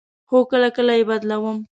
هو، کله کله یی بدلوم